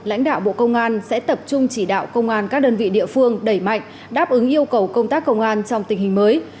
lãnh đạo bộ công an sẽ tập trung chỉ đạo công an các đơn vị địa phương đẩy mạnh đáp ứng yêu cầu công tác công an trong tình hình mới